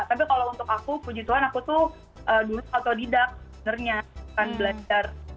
tapi kalau untuk aku puji tuhan aku tuh dulu otodidak sebenarnya bukan belajar